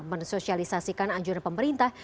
mensosialisasikan anjuran pemerintah